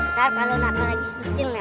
ntar kalau nakal lagi sedikit nih